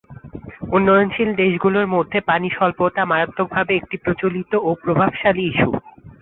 উন্নয়নশীল দেশগুলোর মধ্যে পানি স্বল্পতা মারাত্মকভাবে একটি প্রচলিত ও প্রভাবশালী ইস্যু।